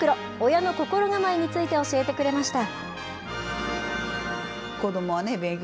親の心構えについて教えてくれました。